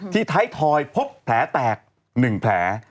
ท้ายทอยพบแผลแตก๑แผล